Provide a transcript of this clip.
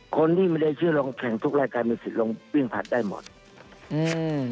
คนดินไม่ได้ชื่อแล้วแข่งทุกรายการยังไงก็มีความสิทธิ์ขึ้นได้หมด